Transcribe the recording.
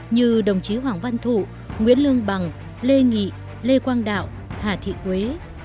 như đồng chí hoàng văn thụ nguyễn lương bằng lê nghị lê quang đạo hà thị quế